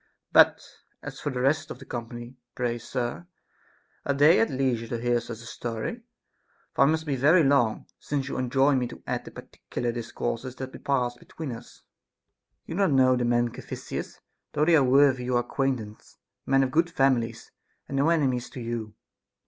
' But as for the rest of the company, pray sir, are they at leisure to hear such a story ?— for I must be very long, since you enjoin me to add the particu lar discourses that passed between us. Arch. You do not know the men, Caphisias, though they are worthy your acquaintance ; men of good families, and no enemies to you.